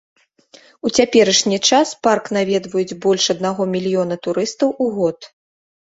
У цяперашні час парк наведваюць больш аднаго мільёна турыстаў у год.